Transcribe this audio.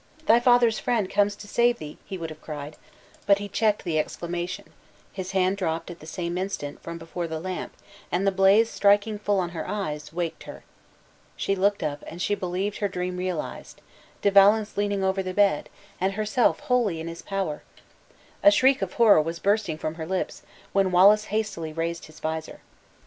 "Thy father's friend comes to save thee," he would have cried, but he checked the exclamation his hand dropped at the same instant from before the lamp, and the blaze striking full on her eyes, waked her. She looked up, and she believed her dream realized De Valence leaning over the bed, and herself wholly in his power! A shriek of horror as bursting from her lips, when Wallace hastily raised his visor.